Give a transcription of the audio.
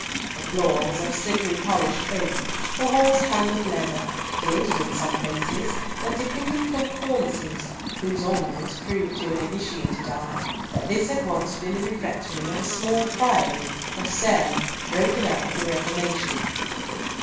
The floor was of slippery polished oak, the walls hung with leather, gilded in some places and depending from cornices, whose ornaments proved to an initiated eye, that this had once been the refectory of a small priory, or cell, broken up at the Reformation.